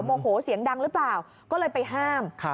โมโหเสียงดังหรือเปล่าก็เลยไปห้าม